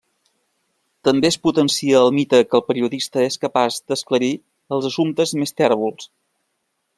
També es potencia el mite que el periodista és capaç d'esclarir els assumptes més tèrbols.